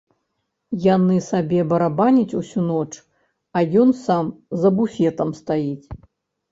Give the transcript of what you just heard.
Яны сабе барабаняць усю ноч, а ён сам за буфетам стаіць.